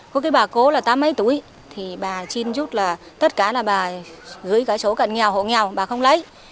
có cái bà cố là tám mấy tuổi thì bà chin giúp là tất cả là bà gửi cái số cận nghèo hộ nghèo bà không lấy